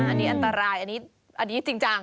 อันนี้อันตรายอันนี้จริงจัง